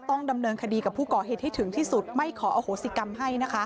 ต้องดำเนินคดีกับผู้ก่อเหตุให้ถึงที่สุดไม่ขออโหสิกรรมให้นะคะ